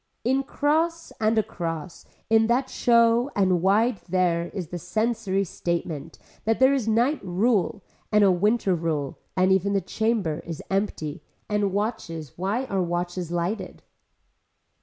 In cross and across, in that show and wide there is the sensory statement that there is night rule and a winter rule and even the chamber is empty and watches why are watches lighted.